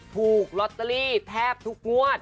ถูกลอตเตอรี่แทบทุกงวด